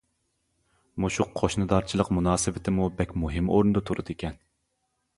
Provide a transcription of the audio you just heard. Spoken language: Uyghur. مۇشۇ قوشنىدارچىلىق مۇناسىۋىتىمۇ بەك مۇھىم ئورۇندا تۇرىدىكەن.